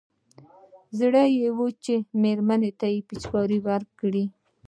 زړه يې و چې مېرمنې ته يې پېچکاري کړي.